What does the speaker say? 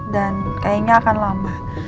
dan kayaknya akan lama